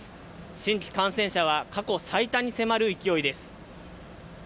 新規感染者は過去最多に迫る勢いです。